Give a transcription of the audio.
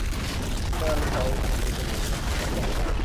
নিসার আলি স্বাভাবিক ভঙ্গিতে বললেন, এক কাজ করুন।